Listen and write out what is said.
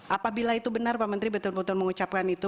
apabila itu benar pak menteri betul betul mengucapkan itu